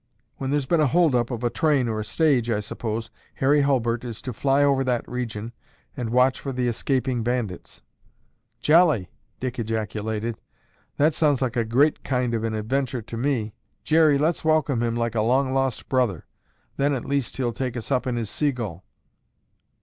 "When there's been a holdup, of a train or a stage, I suppose, Harry Hulbert is to fly over that region and watch for the escaping bandits." "Jolly!" Dick ejaculated. "That sounds like a great kind of an adventure to me. Jerry, let's welcome him like a long lost brother; then, at least, he'll take us up in his Seagull."